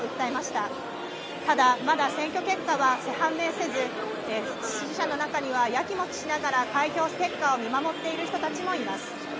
ただ、まだ選挙結果は判明せず支持者の中にはやきもきしながら開票結果を見守る人たちもいます。